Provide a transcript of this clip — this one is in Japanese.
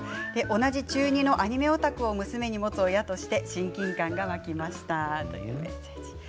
同じ中２のアニメオタクを娘に持つ親として親近感が湧きましたというメッセージ。